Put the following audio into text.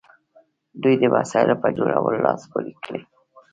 دوی د وسایلو په جوړولو لاس پورې کړ.